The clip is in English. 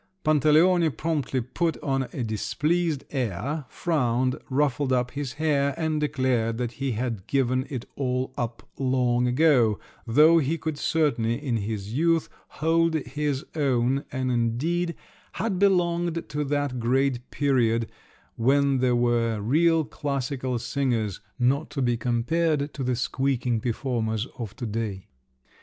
Pantaleone promptly put on a displeased air, frowned, ruffled up his hair, and declared that he had given it all up long ago, though he could certainly in his youth hold his own, and indeed had belonged to that great period, when there were real classical singers, not to be compared to the squeaking performers of to day!